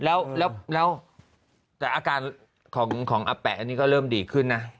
แล้วแต่อาการของอาแปะอันนี้ก็เริ่มดีขึ้นนะ